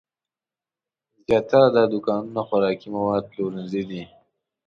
زیاتره دا دوکانونه خوراکي مواد پلورنځي دي.